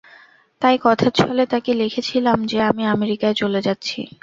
তাই কথাচ্ছলে তাঁকে লিখেছিলাম যে, আমি আমেরিকায় চলে যাচ্ছি।